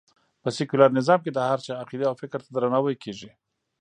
په سکیولر نظام کې د هر چا عقېدې او فکر ته درناوی کېږي